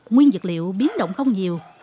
nguyên dật liệu biến động không nhiều